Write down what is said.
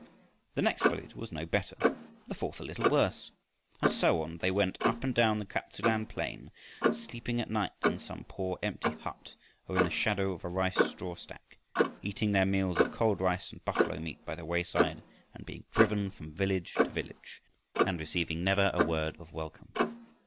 The next village was no better, the fourth a little worse. And so on they went up and down the Kap tsu lan plain, sleeping at night in some poor empty hut or in the shadow of a rice strawstack, eating their meals of cold rice and buffalo meat by the wayside, and being driven from village to village, and receiving never a word of welcome.